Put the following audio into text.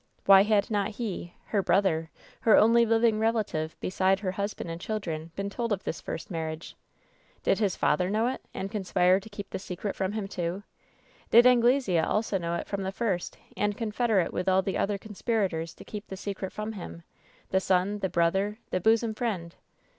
AVhy ban .^A. he — her brother — ^her only living relative besides her husband and children — ^been told of this fivst marria^ % Did his father know it, and conspire to ).^^p the seei«. fivmi him, too? Did Angle sea also knov .' it from the iir.^t, and confederate with all the other eouepirators to ktep the ewicret fr<»n him — the son, the brother, the bosom friend